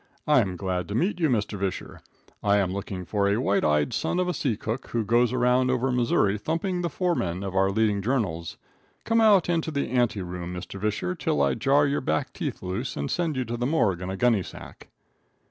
I am glad to meet you, Mr. Visscher. I am looking for a white eyed son of a sea cook who goes around over Missouri thumping the foremen of our leading journals. Come out into the ante room, Mr. Visscher, till I jar your back teeth loose and send you to the morgue in a gunny sack."